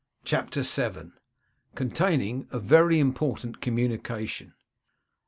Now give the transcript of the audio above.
CHAPTER VII. Containing a Very Important Communication.